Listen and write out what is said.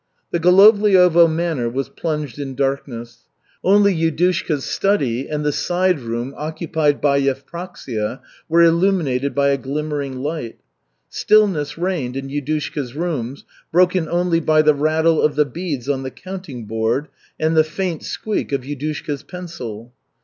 The Golovliovo manor was plunged in darkness. Only Yudushka's study and the side room occupied by Yevpraksia were illuminated by a glimmering light. Stillness reigned in Yudushka's rooms, broken only by the rattle of the beads on the counting board and the faint squeak of Yudushka's pencil.